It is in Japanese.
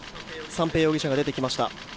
三瓶容疑者が出てきました。